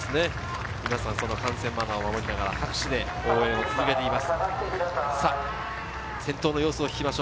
皆さん、観戦マナーを守りながら拍手で応援を続けています。